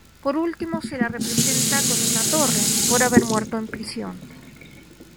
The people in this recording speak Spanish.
Por último, se la representa con una torre, por haber muerto en prisión.